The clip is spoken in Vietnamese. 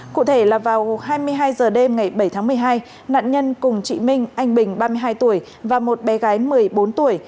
cụ thể là vào hai mươi hai h đêm ngày bảy tháng một mươi hai nạn nhân cùng chị minh anh bình ba mươi hai tuổi và một bé gái một mươi bốn tuổi